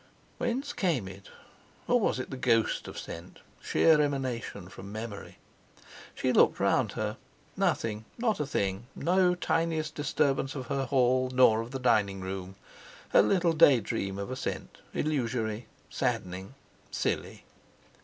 Whence came it, or was it ghost of scent—sheer emanation from memory? She looked round her. Nothing—not a thing, no tiniest disturbance of her hall, nor of the diningroom. A little day dream of a scent—illusory, saddening, silly!